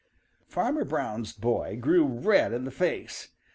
Farmer Brown's boy grew red in the face.